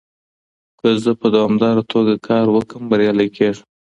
که زه په دوامداره توګه کار وکړم، بريالی کېږم.